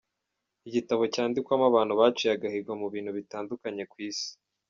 Igitabo cyandikwamo abantu baciye agahigo mu bintu bitandukanye ku isi.